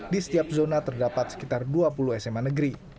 di setiap zona terdapat sekitar dua puluh sma negeri